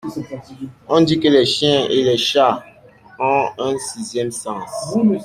On dit que les chiens et les chats ont un sixième sens.